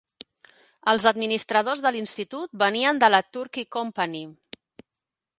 Els administrador de l'institut venien de la Turkey Company.